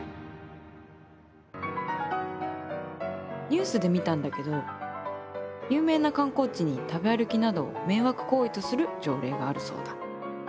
ニュースで見たんだけど有名な観光地に食べ歩きなどを「迷惑行為」とする条例があるそうだ。